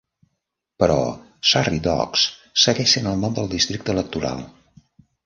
Però "Surrey Docks" segueix sent el nom del districte electoral.